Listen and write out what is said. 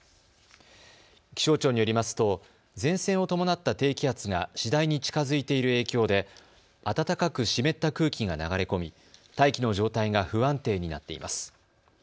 気象庁によりますと前線を伴った低気圧が次第に近づいている影響で暖かく湿った空気が流れ込み大気の状態が不安定になっています。